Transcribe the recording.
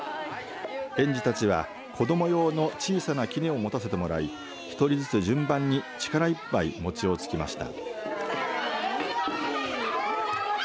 園児たちは子供用の小さなきねを持たせてもらい１人ずつ、順番に力一杯餅をつきました。